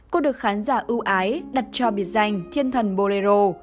cô được khán giả ưu ái đặt cho biệt danh thiên thần bolero